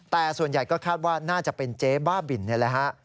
แต่ส่วนใหญ่ก็คาดว่าน่าจะเป็นเจ๊บ้าบินนี่แหละฮะ